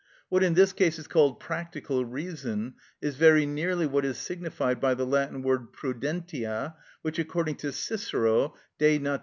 What in this sense is called practical reason is very nearly what is signified by the Latin word prudentia, which, according to Cicero (_De Nat.